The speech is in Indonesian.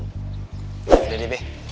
udah deh be